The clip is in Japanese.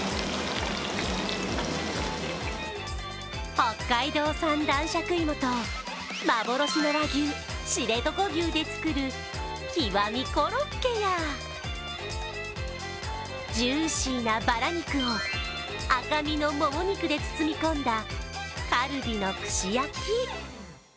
北海道産男爵芋と幻の和牛、知床牛で作る極コロッケやジューシーなバラ肉を赤身のもも肉で包み込んだカルビの串焼き。